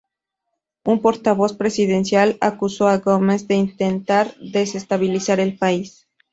Un portavoz presidencial acusó a Gomes de intentar desestabilizar el país.